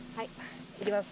いきます。